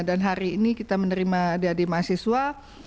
dan hari ini kita menerima dad mahasiswa